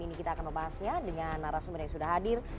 ini kita akan membahasnya dengan narasumber yang sudah hadir